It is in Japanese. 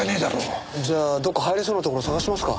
じゃあどこか入れそうなところ探しますか？